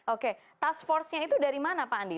oke task force nya itu dari mana pak andi